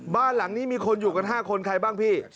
บ้านหลังนี้มีคนอยู่กัน๕คนใครบ้างพี่